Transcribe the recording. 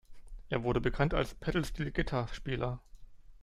Er wurde bekannt als Pedal-Steel-Gitarre-Spieler.